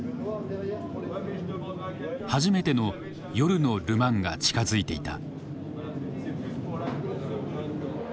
初めての夜のル・マンが近づいていた。